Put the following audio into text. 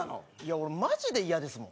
俺、マジでイヤですもん。